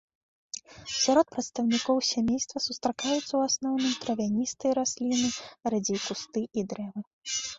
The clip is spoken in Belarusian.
Сярод прадстаўнікоў сямейства сустракаюцца, у асноўным, травяністыя расліны, радзей кусты і дрэвы.